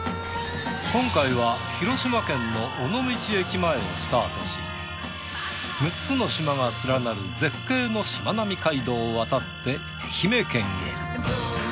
今回は広島県の６つの島が連なる絶景のしまなみ海道を渡って愛媛県へ。